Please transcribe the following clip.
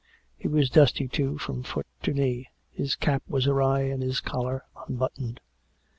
He was dusty, too, from foot to knee ; his cap was awry and his collar unbuttoned.